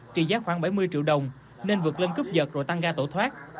trị giá khoảng bảy mươi triệu đồng nên vượt lên cướp dật rồi tăng ga tổ thoát